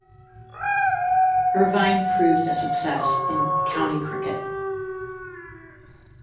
Irvine proved a success in county cricket.